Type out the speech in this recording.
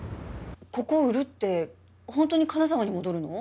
ここを売るってホントに金沢に戻るの？